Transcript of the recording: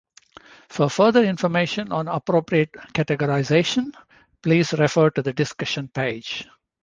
For further information on appropriate categorisation, please refer to the discussion page.